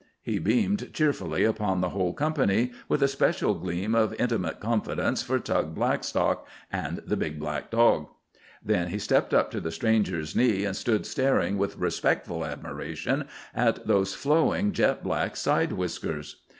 He beamed cheerfully upon the whole company, with a special gleam of intimate confidence for Tug Blackstock and the big black dog. Then he stepped up to the stranger's knee, and stood staring with respectful admiration at those flowing jet black side whiskers.